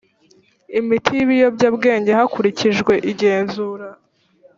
imiti y’ibiyobyabwenge hakurikijwe igenzura